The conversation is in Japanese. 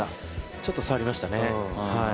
ちょっと触りましたね。